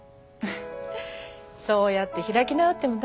そうやって開き直っても駄目よ。